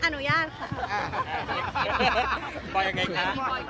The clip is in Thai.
อนุญาตค่ะ